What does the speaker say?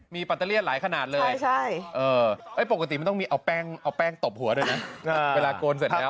มีปัตเตอร์เลียดหลายขนาดเลยปกติมันต้องมีเอาแป้งตบหัวด้วยนะเวลาโกนเสร็จแล้ว